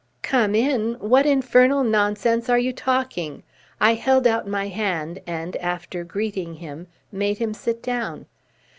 "Come in? What infernal nonsense are you talking?" I held out my hand, and, after greeting him, made him sit down.